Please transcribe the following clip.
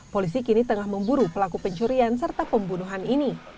polisi kini tengah memburu pelaku pencurian serta pembunuhan ini